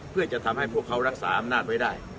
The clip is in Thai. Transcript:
เพื่อจะทำให้พวกเขารักษาอำนาจไว้ได้